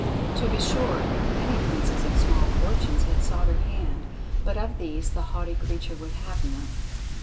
To be sure, many princes of small fortunes had sought her hand, but of these the haughty creature would have none.